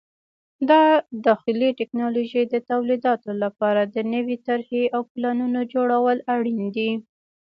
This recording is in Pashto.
د داخلي ټکنالوژۍ د تولیداتو لپاره د نوې طرحې او پلانونو جوړول اړین دي.